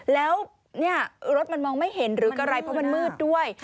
แล้วเนี่ยรถมันมองไม่เห็นหรืออะไรเพราะมันมืดด้วย